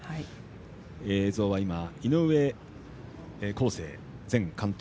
映像は、井上康生前監督。